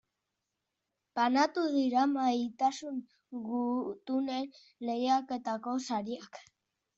Banatu dira Maitasun Gutunen lehiaketako sariak.